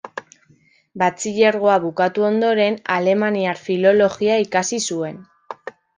Batxilergoa bukatu ondoren alemaniar filologia ikasi zuen.